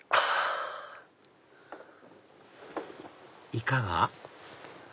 いかが？